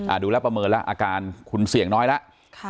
ดูแล้วประเมินแล้วอาการคุณเสี่ยงน้อยแล้วค่ะ